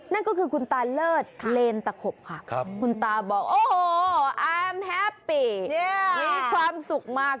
นั่นก็คือคุณตาเลิศเลนตะขบค่ะคุณตาบอกโอ้โหอาร์มแฮปปีมีความสุขมาก